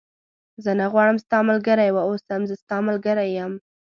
زه نه غواړم ستا ملګری و اوسم، زه ستا ملګری یم.